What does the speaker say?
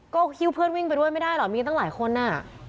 ก็ฮิ้วเพื่อนวิ่งไปด้วยไม่ได้หรอกมีตั้งหลายคนอ่ะ